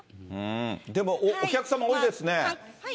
でもお客様多いですね。